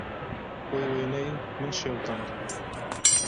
Wê wêneyê min şewitand.